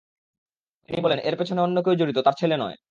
তিনি বলেন, এর পেছনে অন্য কেউ জড়িত, তাঁর ছেলে নয়।